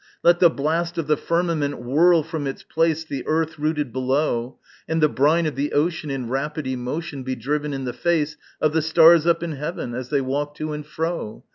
Let the blast of the firmament whirl from its place The earth rooted below, And the brine of the ocean, in rapid emotion, Be driven in the face Of the stars up in heaven, as they walk to and fro!